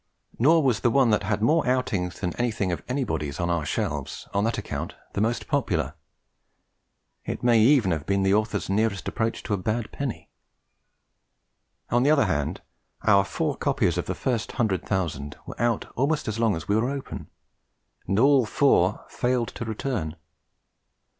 Nor was the one that had more outings than anything of anybody's on our shelves on that account the most popular; it may even have been the author's nearest approach to a bad penny. On the other hand, our four copies of The First Hundred Thousand were out almost as long as we were open, and all four 'failed to return.'